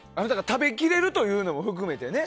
食べきれるというのも含めてね。